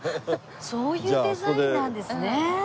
そういうデザインなんですね。